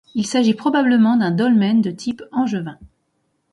Il s'agit probablement d'un dolmen de type angevin.